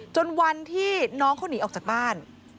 จนวันที่น้องเขาหนีออกจากบ้าน